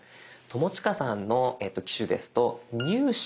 友近さんの機種ですと「入手」。